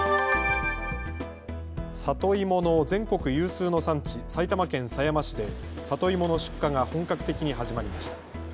里芋の全国有数の産地、埼玉県狭山市で里芋の出荷が本格的に始まりました。